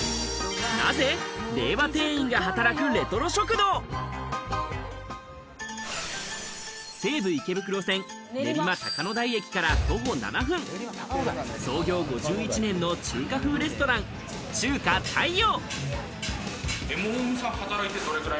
長年愛される西武池袋線練馬高野台駅から徒歩７分創業５１年の中華風レストラン中華太陽！